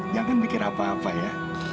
jangan bikin apa apa ya